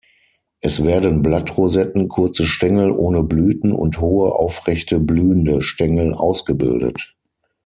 Es werden Blattrosetten, kurze Stängel ohne Blüten und hohe, aufrechte, blühende Stängel ausgebildet.